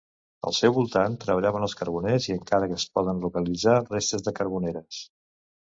Al seu voltant treballaven els carboners i encara es poden localitzar restes de carboneres.